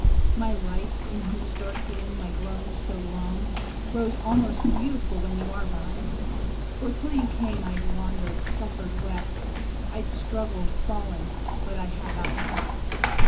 My life, in whose dark gloom I groaned so long, Grows almost beautiful when you are by. For 'til you came, I'd wandered, suffered, wept; I'd struggled, fallen—but I had not loved.